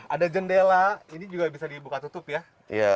ada jendela ini juga bisa dibuka tutup ya